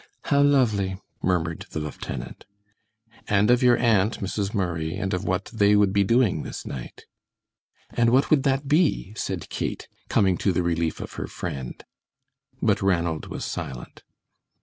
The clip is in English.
"How lovely," murmured the lieutenant. "And of your aunt, Mrs. Murray, and of what they would be doing this night " "And what would that be?" said Kate, coming to the relief of her friend. But Ranald was silent.